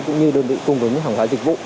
cũng như đơn vị cung ứng những hàng hóa dịch vụ